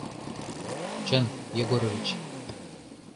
— Чын, Егорович.